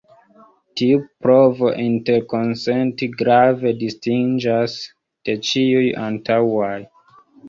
Tiu provo interkonsenti grave distingiĝas de ĉiuj antaŭaj.